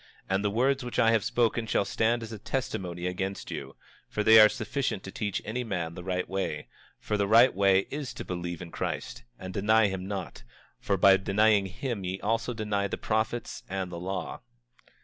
And the words which I have spoken shall stand as a testimony against you; for they are sufficient to teach any man the right way; for the right way is to believe in Christ and deny him not; for by denying him ye also deny the prophets and the law.